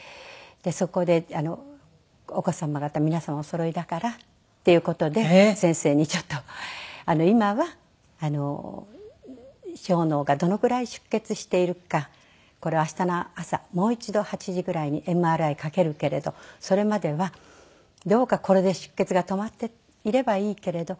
そこでお子様方皆様おそろいだからっていう事で先生にちょっと今は小脳がどのぐらい出血しているかこれを明日の朝もう一度８時ぐらいにＭＲＩかけるけれどそれまではどうかこれで出血が止まっていればいいけれど。